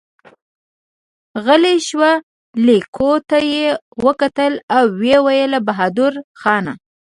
غلی شو، ليکو ته يې وکتل، ويې ويل: بهادرخانه!